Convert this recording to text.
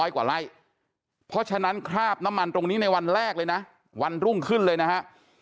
กว่าไร่เพราะฉะนั้นคราบน้ำมันตรงนี้ในวันแรกเลยนะวันรุ่งขึ้นเลยนะฮะ